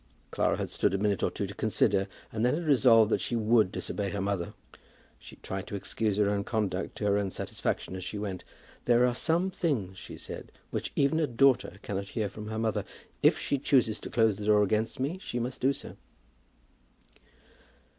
Clara had stood a minute or two to consider, and then had resolved that she would disobey her mother. She tried to excuse her own conduct to her own satisfaction as she went. "There are some things," she said, "which even a daughter cannot hear from her mother. If she chooses to close the door against me, she must do so."